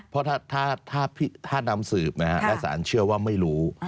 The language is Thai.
เพราะถ้านำสืบและสารเชื่อว่าไม่รู้